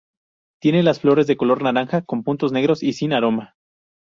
Tiene las flores de color naranja con puntos negros y sin aroma.